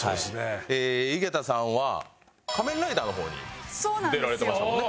井桁さんは『仮面ライダー』の方に出られてましたもんね。